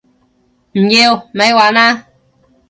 唔要！咪玩啦